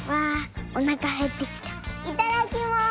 いただきます！